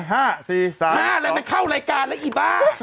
ไหน๕๔๓๒๑๕แล้วมันเข้ารายการแล้วอีบ๊า